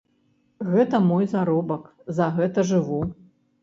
Гэта мой заробак, за гэта жыву.